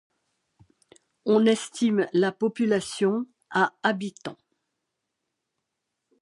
On estime la population à habitants.